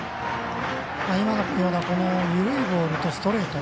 今のような緩いボールとストレート。